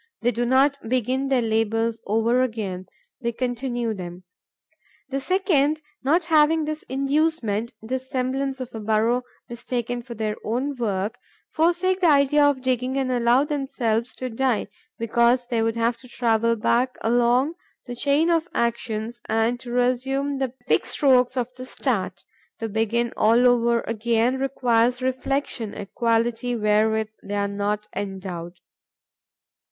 They do not begin their labours over again; they continue them. The second, not having this inducement, this semblance of a burrow mistaken for their own work, forsake the idea of digging and allow themselves to die, because they would have to travel back along the chain of actions and to resume the pick strokes of the start. To begin all over again requires reflection, a quality wherewith they are not endowed.